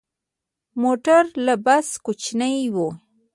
موټر له بس کوچنی وي.